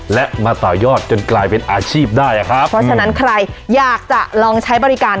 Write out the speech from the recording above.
และมาต่อยอดจนกลายเป็นอาชีพได้อ่ะครับเพราะฉะนั้นใครอยากจะลองใช้บริการ